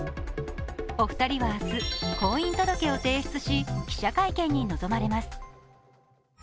お二人は明日、婚姻届を提出し記者会見に臨まれます。